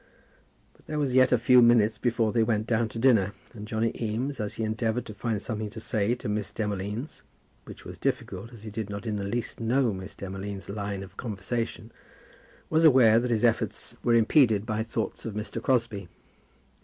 But there was yet a few minutes before they went down to dinner, and Johnny Eames, as he endeavoured to find something to say to Miss Demolines, which was difficult, as he did not in the least know Miss Demolines' line of conversation, was aware that his efforts were impeded by thoughts of Mr. Crosbie.